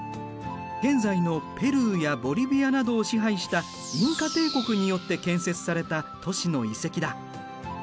現在のペルーやボリビアなどを支配したインカ帝国によって建設された都市の遺跡だ。